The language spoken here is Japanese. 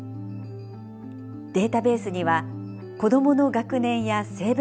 データベースには子どもの学年や性別などの属性。